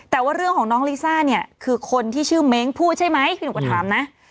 แต่ว่าเรื่องของน้องลิซ่าเนี่ยคือคนที่ชื่อเม้งพูดใช่ไหมพี่หนูก็ถามนะ